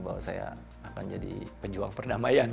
bahwa saya akan jadi penjuang perdamaian